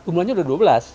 bumlahnya udah dua belas